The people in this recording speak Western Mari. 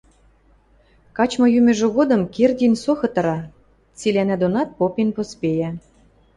Качмы-йӱмӹжӹ годым Кердин со кытыра, цилӓнӓ донат попен поспейӓ